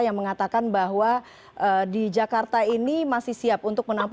yang mengatakan bahwa di jakarta ini masih siap untuk menangkap covid sembilan belas